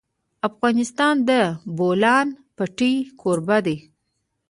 افغانستان د د بولان پټي کوربه دی.